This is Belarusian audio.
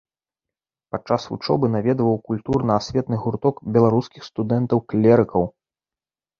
Падчас вучобы наведваў культурна-асветны гурток беларускіх студэнтаў-клерыкаў.